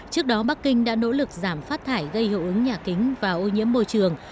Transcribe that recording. trung quốc và bắc kinh đã nỗ lực giảm phát thải gây hậu ứng nhà kính và ô nhiễm môi trường